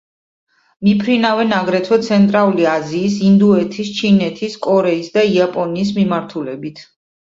მიფრინავენ აგრეთვე ცენტრალური აზიის, ინდოეთის, ჩინეთის, კორეის და იაპონიის მიმართულებით.